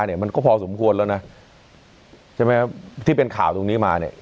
เนี่ยมันก็พอสมควรแล้วนะใช่ไหมครับที่เป็นข่าวตรงนี้มาเนี่ย